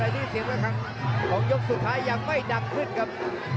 อันนี้เสียงของยกสุดท้ายยังไม่ดังขึ้นครับ